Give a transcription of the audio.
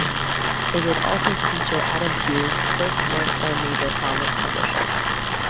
It would also feature Adam Hughes' first work for a major comic publisher.